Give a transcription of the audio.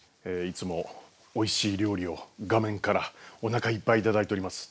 いつもおいしい料理を画面からおなかいっぱい頂いております。